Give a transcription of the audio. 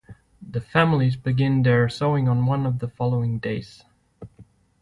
The families begin their sowing on one of the following days.